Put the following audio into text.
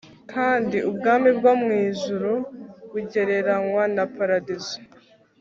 kandi ubwami bwo mu ijuru bugereranywa na paradizo